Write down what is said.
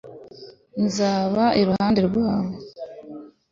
nzaba iruhande rwe